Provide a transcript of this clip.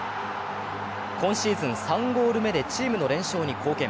今シーズン３ゴール目でチームの連勝に貢献。